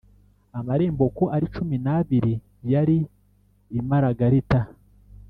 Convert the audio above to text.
Amarembo uko ari cumi n abiri yari imaragarita